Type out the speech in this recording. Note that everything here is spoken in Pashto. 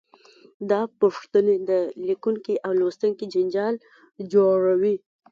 دا پوښتنې د لیکونکي او لوستونکي جنجال جوړوي.